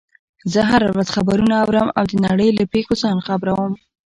زه هره ورځ خبرونه اورم او د نړۍ له پیښو ځان خبر وم